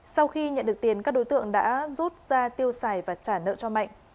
sau khi nhận được tiền các đối tượng đã rút ra tiêu xài và trả nợ cho mạnh